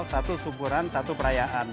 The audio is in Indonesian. satu syukuran satu perayaan